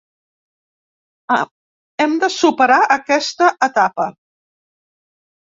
Hem de superar aquesta etapa.